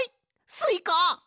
スイカ。